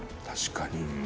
確かに。